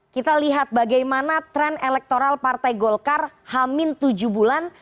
kita lihat bagaimana tren elektoral partai golkar hamil tujuh bulan